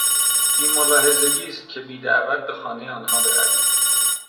بیملاحظگی است که بیدعوت به خانهی آنها بروی.